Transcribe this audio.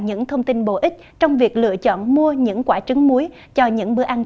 những thông tin bổ ích trong việc lựa chọn